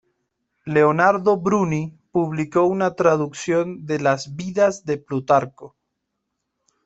Leonardo Bruni publicó una traducción de las "Vidas" de Plutarco.